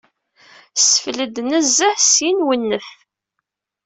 Sefled nezzeh! Syin wennet.